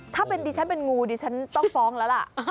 ถ้าเป็นดิฉันเป็นงูดิฉันต้องฟ้องแล้วล่ะ